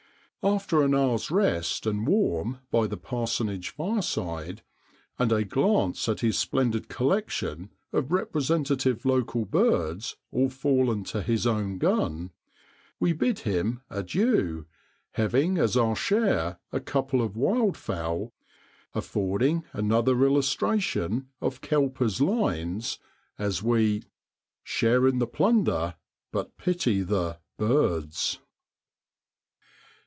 After an hour's rest and warm by the parsonage fireside, and a glance at his splendid collection of representative local birds all fallen to his own gun, we bid him adieu, having as our share a couple of wildfowl, affording another illustration of Cowper's lines, as we ' Share in the plunder, but pity the birds.'